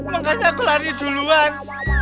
makanya aku lari duluan